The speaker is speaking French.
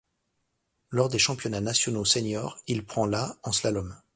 Lors des championnats nationaux senior, il prend la en slalom.